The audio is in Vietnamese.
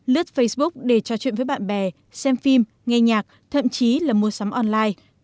lướt facebook để trò chuyện với bạn bè xem phim nghe nhạc thậm chí là mua sắm online